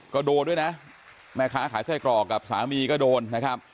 ก็โดนด้วยนะแม่ค้าขายไส้กรอกกับสามีก็โดนนะครับ